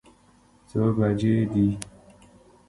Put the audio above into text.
څو بجې دي.